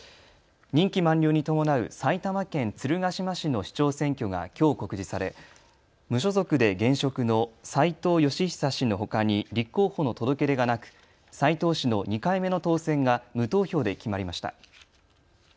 任期満了に伴う埼玉県鶴ヶ島市の市長選挙がきょう告示され無所属で現職の斉藤芳久氏のほかに立候補の届け出がなく、斉藤氏の２回目の当選が無投票で決まりました。